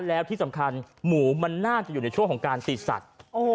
แล้วที่สำคัญหมูมันน่าจะอยู่ในช่วงของการติดสัตว์